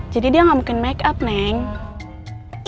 jadi dia gak mungkin make up nenek